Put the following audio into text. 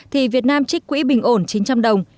thì việt nam trích quỹ bình ổn chín trăm linh đồng